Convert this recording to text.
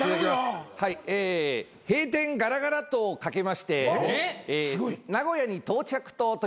閉店ガラガラと掛けまして名古屋に到着と解きます。